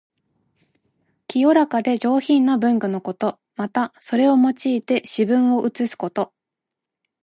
清らかで上品な文具のこと。また、それを用いて詩文を写すこと。